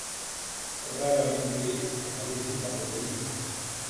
Raramente aparece bajo coníferas.